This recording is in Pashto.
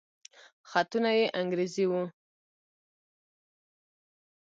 خطونه يې انګريزي وو.